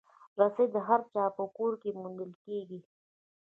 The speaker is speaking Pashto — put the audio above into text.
رسۍ د هر چا په کور کې موندل کېږي.